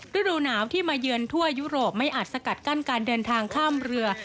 ฤดูหนาวที่มาเยือนทั่วยุโรปไม่อาจสกัดกั้นการเดินทางข้ามเรือ